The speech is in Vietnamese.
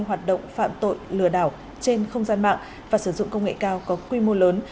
hoạt động phạm tội lừa đảo trên không gian mạng và sử dụng công nghệ cao có quy mô lớn